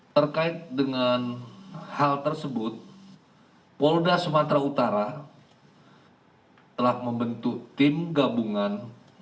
terkait dengan hal tersebut polda sumatera utara telah membentuk tim gabungan